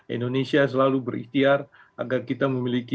indonesia selalu berikhtiar agar kita memiliki